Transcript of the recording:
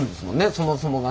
そもそもがね。